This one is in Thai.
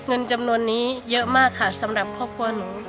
เงินจำนวนนี้เยอะมากค่ะสำหรับครอบครัวหนู